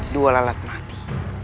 dua lalat mati